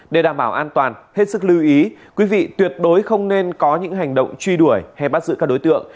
để đảm bảo an toàn hết sức lưu ý quý vị tuyệt đối không nên có những hành động truy đuổi hay bắt giữ các đối tượng